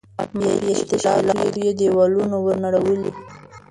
مافیایي تشکیلاتو یې دېوالونه ور نړولي.